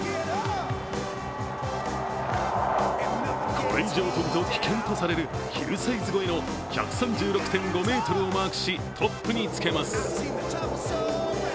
これ以上飛ぶと危険とれさるヒルサイズ越えの１３６．５ｍをマークし、トップにつけます。